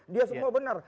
dia semua benar